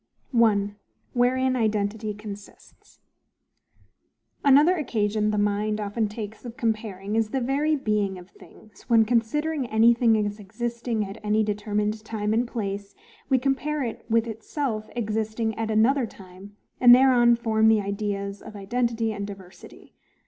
1. Wherein Identity consists. ANOTHER occasion the mind often takes of comparing, is the very being of things, when, considering ANYTHING AS EXISTING AT ANY DETERMINED TIME AND PLACE, we compare it with ITSELF EXISTING AT ANOTHER TIME, and thereon form the ideas of IDENTITY and DIVERSITY.